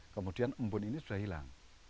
kemudian embun ini sudah hilang